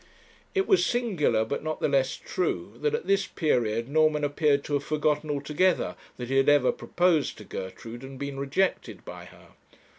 It was singular, but not the less true, that at this period Norman appeared to have forgotten altogether that he had ever proposed to Gertrude, and been rejected by her.